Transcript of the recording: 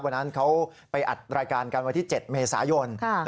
วันนั้นเขาไปอัดรายการกันวันที่๗เมษายน